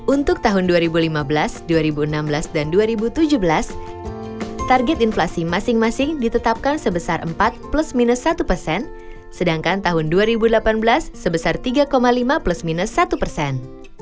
untuk tahun dua ribu lima belas dua ribu enam belas dan dua ribu tujuh belas target inflasi masing masing ditetapkan sebesar empat plus minus satu persen sedangkan tahun dua ribu delapan belas sebesar tiga lima plus minus satu persen